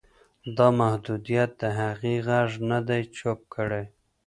دا محدودیت د هغې غږ نه دی چوپ کړی.